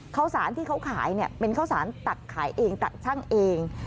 ข้าวสารที่เขาขายเป็นข้าวสารตักขายเองตักชั่งเอง